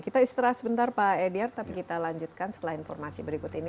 kita istirahat sebentar pak edyar tapi kita lanjutkan setelah informasi berikut ini